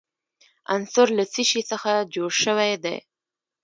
عنصر له څه شي څخه جوړ شوی دی.